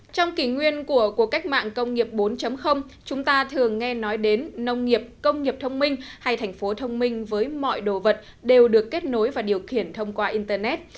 trong kỷ nguyên của cuộc cách mạng công nghiệp bốn chúng ta thường nghe nói đến nông nghiệp công nghiệp thông minh hay thành phố thông minh với mọi đồ vật đều được kết nối và điều khiển thông qua internet